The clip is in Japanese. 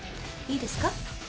いいですか？